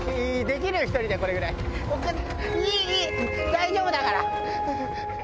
大丈夫だから！